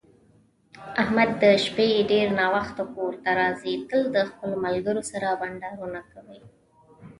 احمد د شپې ډېر ناوخته کورته راځي، تل د خپلو ملگرو سره بنډارونه کوي.